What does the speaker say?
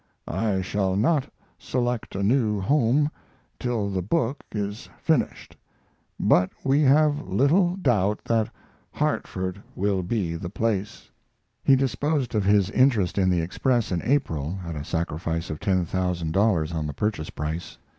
I shall not select a new home till the book is finished, but we have little doubt that Hartford will be the place. He disposed of his interest in the Express in April, at a sacrifice of $10,000 on the purchase price.